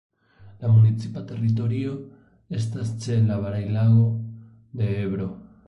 La municipa teritorio estas ĉe la Baraĵlago de Ebro.